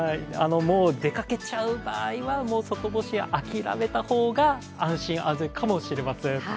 出かけちゃうなという方は外干し諦めた方が安心・安全かもしれません。